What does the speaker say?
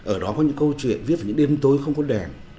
ở đó có những câu chuyện viết về những đêm tối không có đèn